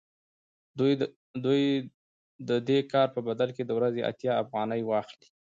دوی د دې کار په بدل کې د ورځې اتیا افغانۍ واخلي